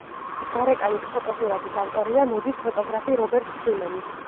გარეკანის ფოტოსურათის ავტორია მოდის ფოტოგრაფი რობერტ ფრიმენი.